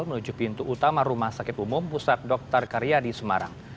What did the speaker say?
menuju pintu utama rumah sakit umum pusat dr karyadi semarang